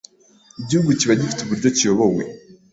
Igihugu kiba gifite uburyo kiyobowe